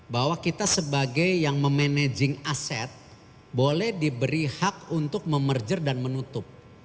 bahwa kita sebagai yang memanaging aset boleh diberi hak untuk memerjer dan menutup